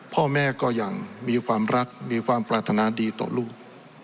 พ่อแม่ก็ยังมีความรักมีความปรารถนาดีต่อลูก